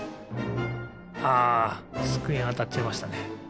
あつくえにあたっちゃいましたね。